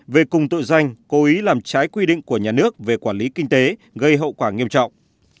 về cùng tội danh cố ý làm trái quy định của nhà nước về quản lý kinh tế gây hậu quả nghiêm trọng